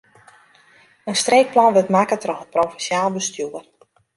In streekplan wurdt makke troch it provinsjaal bestjoer.